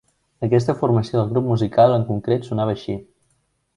Aquesta formació del grup musical en concret sonava així.